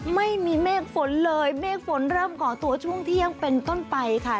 ไม่มีเมฆฝนเลยเมฆฝนเริ่มก่อตัวช่วงเที่ยงเป็นต้นไปค่ะ